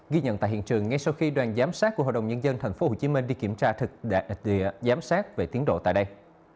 ghi nhận tại hiện trường ngay sau khi đoàn giám sát của hnnd tp hcm đi kiểm tra thực địa giám sát về tiến độ tại đây